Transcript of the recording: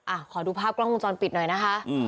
ขอดูภาพกล้องวงจรปิดหน่อยนะคะ